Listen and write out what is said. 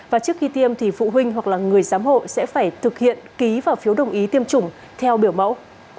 và trước khi tiêm thì phụ huynh hoặc là người giám hộ sẽ phải thực hiện ký vào phiếu đồng ý tiêm chủng theo biểu mẫu